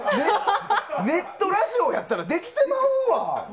ネットラジオやったらできてまうわ。